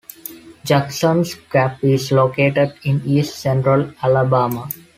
Jackson's Gap is located in east- central Alabama.